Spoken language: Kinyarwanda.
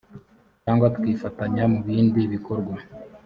cyangwa tukifatanya mu bindi bikorwa